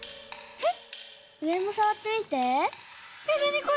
えっ。